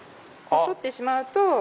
取ってしまうと。